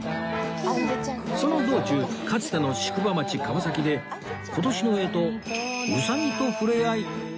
その道中かつての宿場町川崎で今年の干支うさぎと触れ合いのはずが